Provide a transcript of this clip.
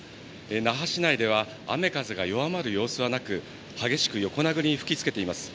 那覇市内では雨風が弱まる様子はなく、激しく横殴りに吹き付けています。